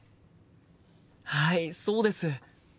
はいそうです。